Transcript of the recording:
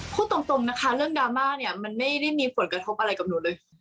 พูดตรงนะคะเรื่องดราม่าเนี่ยมันไม่ได้มีผลกระทบอะไรกับหนูเลย